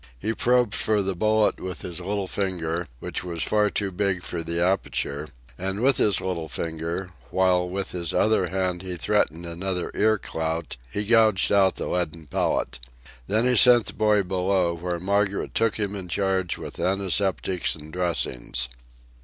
He probed for the bullet with his little finger, which was far too big for the aperture; and with his little finger, while with his other hand he threatened another ear clout, he gouged out the leaden pellet. Then he sent the boy below, where Margaret took him in charge with antiseptics and dressings.